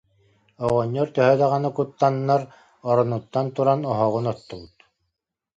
Оҕонньор төһө даҕаны куттаннар, оронуттан туран, оһоҕун оттубут